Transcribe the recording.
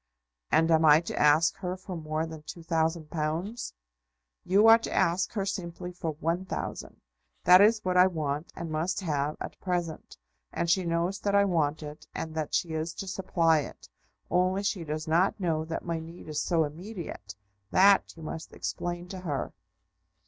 "And am I to ask her for more than two thousand pounds?" "You are to ask her simply for one thousand. That is what I want, and must have, at present. And she knows that I want it, and that she is to supply it; only she does not know that my need is so immediate. That you must explain to her."